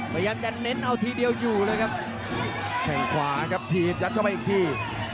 พยายามจะเน้นเอาทีเดียวอยู่เลยครับใส่ขวาครับถีบยัดเข้าไปอีกที